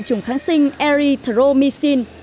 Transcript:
trùng kháng sinh erythromycin